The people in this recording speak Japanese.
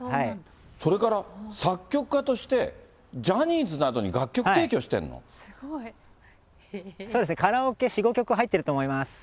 それから、作曲家として、ジャニーズなどに楽曲提供してんのそうですね、カラオケ４、５曲、入ってると思います。